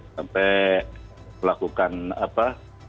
sampai melakukan apa